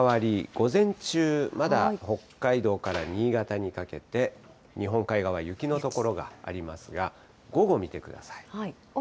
午前中、まだ北海道から新潟にかけて、日本海側、雪の所がありますが、午後見てください。